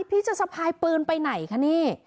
พี่จะสะพายปืนไปไหนคะนี่